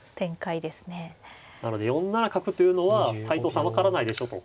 なので４七角というのは斎藤さん分からないでしょと。